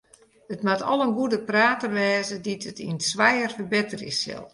It moat al in goede prater wêze dy't it in swijer ferbetterje sil.